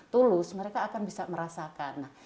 tulus mereka akan bisa merasakan